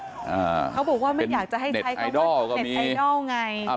เขาบอกว่าไม่อยากจะให้ใช้เน็ตไอดอลไง